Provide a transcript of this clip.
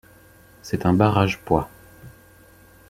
C'est un barrage-poids.